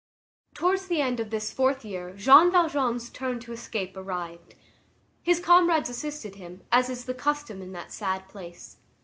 Towards the end of this fourth year Jean Valjean's turn to escape arrived. His comrades assisted him, as is the custom in that sad place.